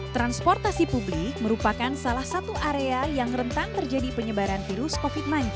transportasi publik merupakan salah satu area yang rentan terjadi penyebaran virus covid sembilan belas